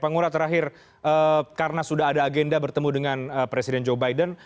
pak ngurah terakhir karena sudah ada agenda bertemu dengan presiden joe biden